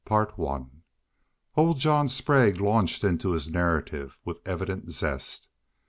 CHAPTER V Old John Sprague launched into his narrative with evident zest.